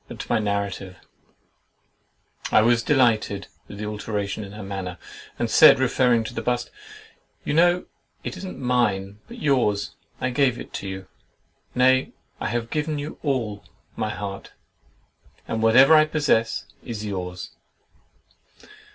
But to my narrative.— I was delighted with the alteration in her manner, and said, referring to the bust—"You know it is not mine, but yours; I gave it you; nay, I have given you all—my heart, and whatever I possess, is yours!